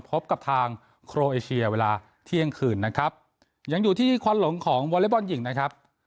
พบกับทางโครเอเชียเวลาเที่ยงคืนนะครับยังอยู่ที่ควันหลงของวอเล็กบอลหญิงนะครับ